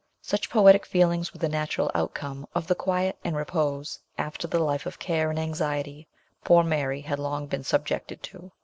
Such poetic feelings were the natural outcome of 218 MRS. SHELLEY. the quiet and repose after the life of care and anxiety poor Mary had long been subjected to.